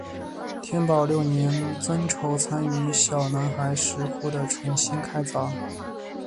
天保六年僧稠参与小南海石窟的重新开凿。